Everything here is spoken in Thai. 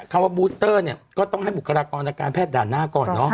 คำว่าบูสเตอร์เนี่ยก็ต้องให้บุคลากรทางการแพทย์ด่านหน้าก่อนเนอะ